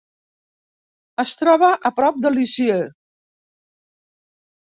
Es troba a prop de Lisieux.